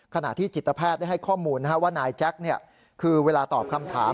ขณะที่จิตแพทย์ได้ให้ข้อมูลว่านายแจ๊คคือเวลาตอบคำถาม